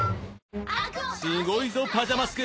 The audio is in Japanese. すごいぞパジャマスク！